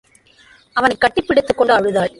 அவனைக் கட்டிப் பிடித்துக் கொண்டு அழுதாள்.